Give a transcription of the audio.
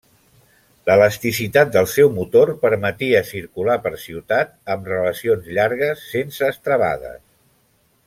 L'elasticitat del seu motor permetia circular per ciutat amb relacions llargues sense estrebades.